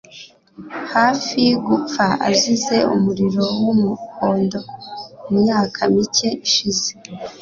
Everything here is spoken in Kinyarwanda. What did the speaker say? hafi gupfa azize umuriro wumuhondo mumyaka mike ishize.